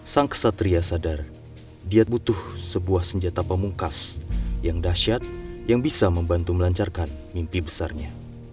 sang kesatria sadar dia butuh sebuah senjata pemungkas yang dahsyat yang bisa membantu melancarkan mimpi besarnya